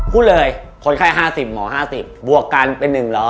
พูดเลยคนไข้๕๐หมอ๕๐บวกกันเป็น๑๐๐